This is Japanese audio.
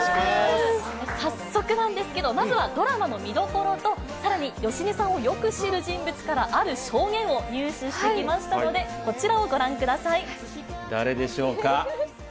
早速なんですけど、まずはドラマの見どころと、さらに、芳根さんをよく知る人物からある証言を入手してきましたので、誰でしょうか。